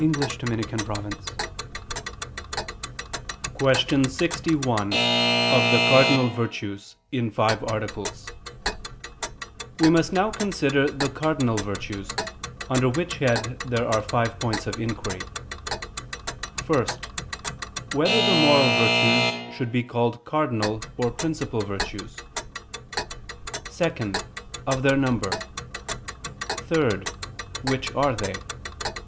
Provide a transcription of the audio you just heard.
________________________ QUESTION 61 OF THE CARDINAL VIRTUES (In Five Articles) We must now consider the cardinal virtues: under which head there are five points of inquiry: (1) Whether the moral virtues should be called cardinal or principal virtues? (2) Of their number; (3) Which are they?